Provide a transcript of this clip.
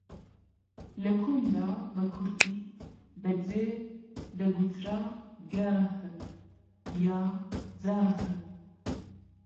لە کۆندا بە کوردی بە جێ دەگوترا گەه یا جەه